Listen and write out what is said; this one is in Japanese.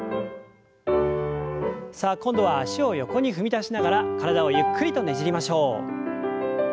さあ今度は脚を横に踏み出しながら体をゆっくりとねじりましょう。